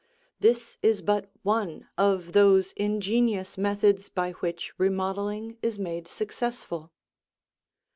This is but one of those ingenious methods by which remodeling is made successful.